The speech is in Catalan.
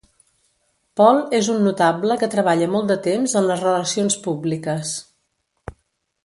Paul és un notable que treballa molt de temps en les relacions públiques.